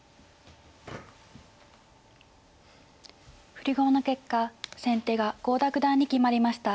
振り駒の結果先手が郷田九段に決まりました。